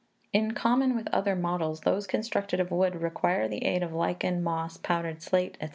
In common with other models, those constructed of wood require the aid of lichen, moss, powdered slate, &c.